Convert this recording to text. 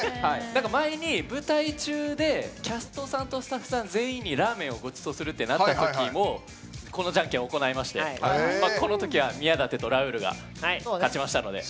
前に舞台中でキャストさんとスタッフさん全員にラーメンをごちそうするってなったときもこのじゃんけんを行いましてこのときは宮舘とラウールが勝ちましたので。